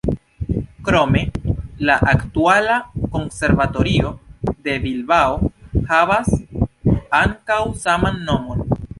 Krome la aktuala konservatorio de Bilbao havas ankaŭ saman nomon.